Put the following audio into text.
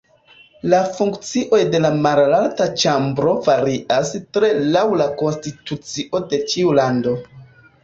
La funkcioj de la Malalta ĉambro varias tre laŭ la konstitucio de ĉiu lando.